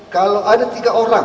kalau ada tiga orang